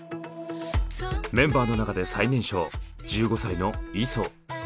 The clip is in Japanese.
メンバーの中で最年少１５歳のイソ。